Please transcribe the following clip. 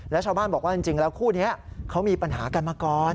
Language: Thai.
แล้วชาวบ้านบอกว่าจริงแล้วคู่นี้เขามีปัญหากันมาก่อน